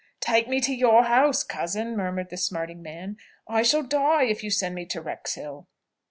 "Take me to your house, cousin!" murmured the smarting man, "I shall die if you send me to Wrexhill!"